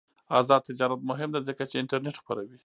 آزاد تجارت مهم دی ځکه چې انټرنیټ خپروي.